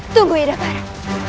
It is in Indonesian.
tunggu yudha karan